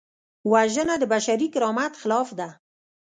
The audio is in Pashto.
وژنه د بشري کرامت خلاف ده